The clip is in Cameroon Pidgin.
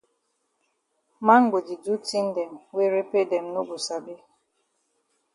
Man go di do tin dem wey repe dem no go sabi.